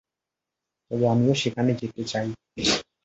তবে আমিও সেখানে যেতে চাই।